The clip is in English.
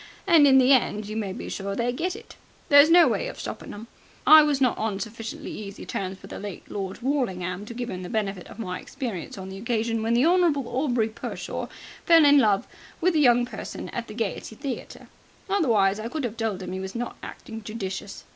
And in the end you may be sure they get it. There's no way of stoppin' them. I was not on sufficiently easy terms with the late Lord Worlingham to give 'im the benefit of my experience on the occasion when the Honourable Aubrey Pershore fell in love with the young person at the Gaiety Theatre. Otherwise I could 'ave told 'im he was not acting judicious.